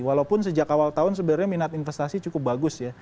walaupun sejak awal tahun sebenarnya minat investasi cukup bagus ya